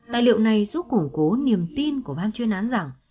tài liệu này giúp củng cố niềm tin của ban chuyên án rằng